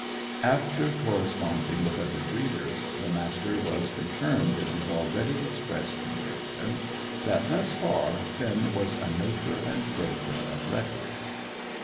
After corresponding with other breeders, the Master was confirmed in his already expressed conviction that, thus far, Finn was a maker and breaker of records.